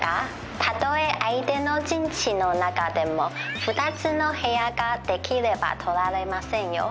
たとえ相手の陣地の中でも２つの部屋ができれば取られませんよ。